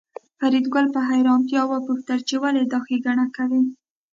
فریدګل په حیرانتیا وپوښتل چې ولې دا ښېګڼه کوې